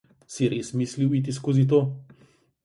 Si res mislil iti skozi to?